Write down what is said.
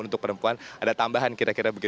terima kasih pak